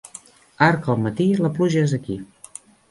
Arc al matí, la pluja és aquí.